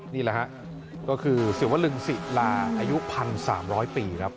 นี่แหละฮะก็คือศิวลึงศิลาอายุ๑๓๐๐ปีครับ